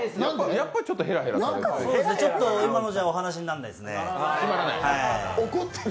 やっぱりちょっとへらへらされてる。